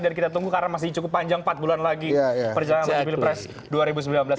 dan kita tunggu karena masih cukup panjang empat bulan lagi perjalanan bajaj pilpres dua ribu sembilan belas